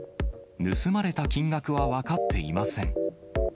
盗まれた金額は分かっていません。